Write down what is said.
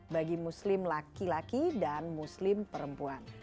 bagi muslim laki laki dan muslim perempuan